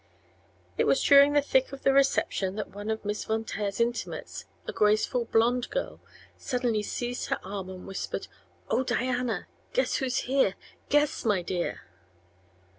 It was during the thick of the reception that one of Miss Von Taer's intimates, a graceful blond girl, suddenly seized her arm and whispered: "Oh, Diana! Guess who's here guess, my dear!"